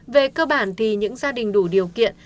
về cơ bản thì những gia đình đủ điều kiện